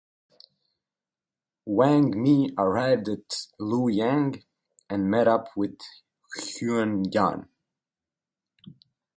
Wang Mi arrived at Luoyang and met up with Huyan Yan.